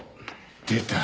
出た。